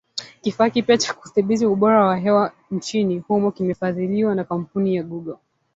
Kifaa kipya cha kudhibiti ubora wa hewa nchini humo kimefadhiliwa na kampuni ya Google